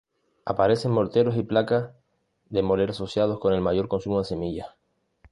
Aparecen morteros y placas de moler asociados con el mayor consumo de semillas.